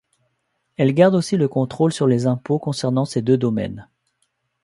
Elles gardent aussi le contrôle sur les impôts concernant ces deux domaines.